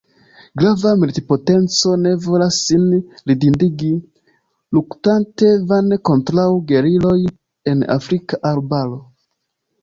Grava militpotenco ne volas sin ridindigi, luktante vane kontraŭ geriloj en afrika arbaro.